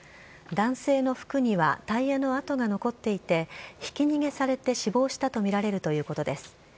男性の服にはタイヤの跡が残っていて、ひき逃げされて死亡したと見られるということです。